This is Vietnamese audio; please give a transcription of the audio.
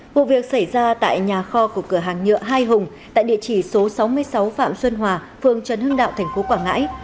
vụ việc xảy ra tại nhà kho của cửa hàng nhựa hai hùng tại địa chỉ số sáu mươi sáu phạm xuân hòa phường trần hưng đạo thành phố quảng ngãi